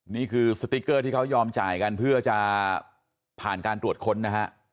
นี่คือสติ๊กเกอร์ที่เขายอมจ่ายกันเพื่อจะผ่านการตรวจค้นนะฮะ